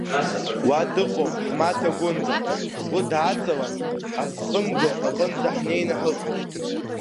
Уа дыҟоуп ҳмаҭа Гәында, ҳгәы дааҵалан, дҳазхымго аҟынӡа ҳнеин ҳаҟоуп.